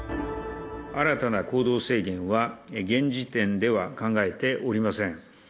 新たな行動制限は、現時点では考えておりません。